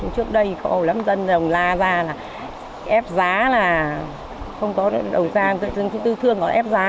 trước đây có lắm dân đồng la ra là ép giá là không có đầu gian tư thương có ép giá